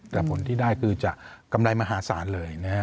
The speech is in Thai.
แต่ผลที่ได้คือจะกำไรมหาศาลเลยนะฮะ